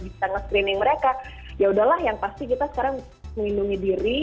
di tengah screening mereka ya udahlah yang pasti kita sekarang mengindungi diri